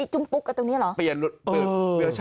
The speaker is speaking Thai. จุ้มปุ๊กตรงนี้หรือ